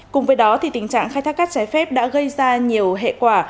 cùng với đó tình trạng khai thác cát trái phép đã gây ra nhiều hệ quả